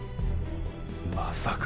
まさか。